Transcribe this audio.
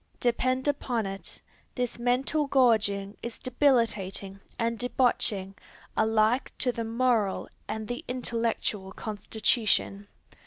Depend upon it, this mental gorging is debilitating and debauching alike to the moral and the intellectual constitution.